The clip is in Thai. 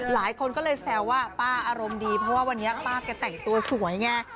หลายคนก็เลยแซวว่าป้าอารมณ์ดีเพราะว่าวันนี้ป้าแกแต่งตัวสวยไง